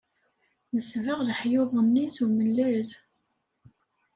Nesbeɣ leḥyuḍ-nni s umellal.